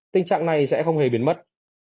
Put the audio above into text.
tình trạng này sẽ không hề biến mất